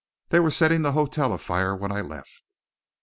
They were setting the hotel afire when I left!"